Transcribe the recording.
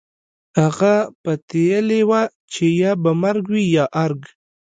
هغه پتېيلې وه چې يا به مرګ وي يا ارګ.